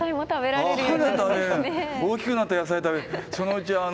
大きくなったら野菜食べるそのうち